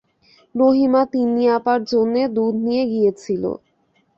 রহিমা তিন্নি আপার জন্যে দুধ নিয়ে গিয়েছিল।